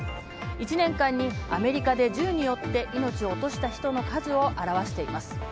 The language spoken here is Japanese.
１年間にアメリカで銃によって命を落とした人の数を表しています。